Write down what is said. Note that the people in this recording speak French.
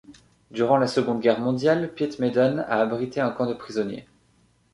Durant la Seconde Guerre mondiale, Pitmedden a abrité un camp de prisonniers.